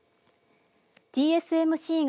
ＴＳＭＣが